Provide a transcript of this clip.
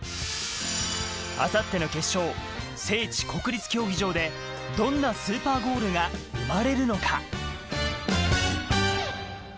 明後日の決勝、聖地・国立競技場で、どんなスーパーゴールが生まれるのか。